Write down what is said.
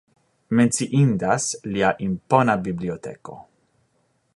Menciindas lia impona biblioteko.